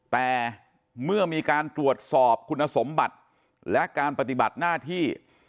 แต่เมื่อมีการตรวจสอบคุณสมบัติและการปฏิบัติหน้าที่